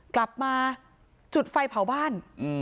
กลับมาจุดไฟเผาบ้าน